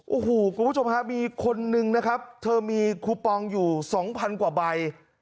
โอ้โหคุณผู้ชมฮะมีคนนึงนะครับเธอมีคูปองอยู่๒๐๐กว่าใบ